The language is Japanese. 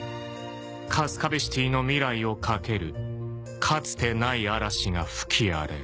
カスカベシティの未来を懸けるかつてない嵐が吹き荒れる。